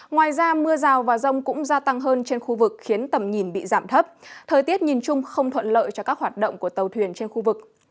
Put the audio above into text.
ngoài ra mưa rào và rông cũng gia tăng hơn trên khu vực khiến tầm nhìn bị giảm thấp thời tiết nhìn chung không thuận lợi cho các hoạt động của tàu thuyền trên khu vực